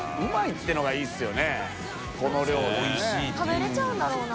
食べれちゃうんだろうな。